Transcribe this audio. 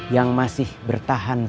yang masih bertahan sampai ke akhirnya